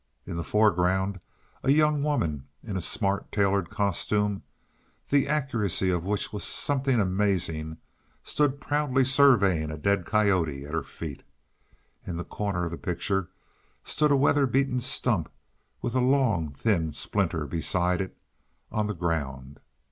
In the foreground a young woman in a smart tailored costume, the accuracy of which was something amazing, stood proudly surveying a dead coyote at her feet. In a corner of the picture stood a weather beaten stump with a long, thin splinter beside it on the ground.